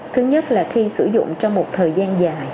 thứ nhất là khi sử dụng trong một thời gian dài